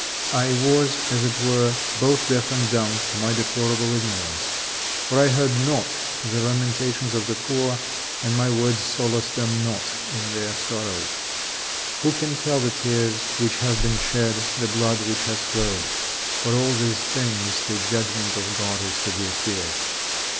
I was, as it were, both deaf and dumb in my deplorable ignorance, for I heard not the lamentations of the poor, and my words solaced them not in their sorrows. Who can tell the tears which have been shed, the blood which has flowed? For all these things the judgment of God is to be feared."